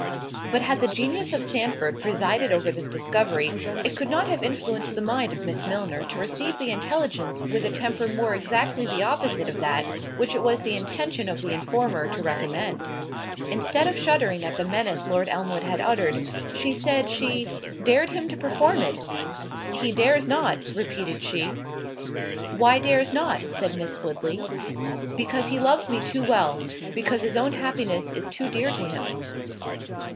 But had the genius of Sandford presided over this discovery, it could not have influenced the mind of Miss Milner to receive the intelligence with a temper more exactly the opposite of that which it was the intention of the informer to recommend. Instead of shuddering at the menace Lord Elmwood had uttered, she said, she "Dared him to perform it." "He dares not," repeated she. "Why dares not?" said Miss Woodley. "Because he loves me too well—because his own happiness is too dear to him."